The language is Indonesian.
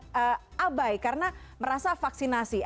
semakin abai karena merasa vaksinasi